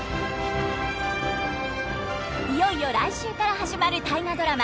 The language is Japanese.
いよいよ来週から始まる大河ドラマ